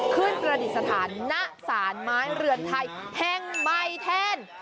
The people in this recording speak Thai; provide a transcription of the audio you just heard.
ประดิษฐานณสารไม้เรือนไทยแห่งใหม่แทน